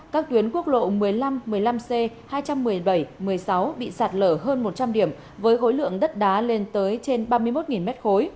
các tuyến quốc lộ một mươi năm một mươi năm c hai trăm một mươi bảy một mươi sáu bị sạt lở hơn một trăm linh điểm với khối lượng đất đá lên tới trên ba mươi một m ba